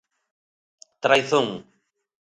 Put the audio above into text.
Traizón.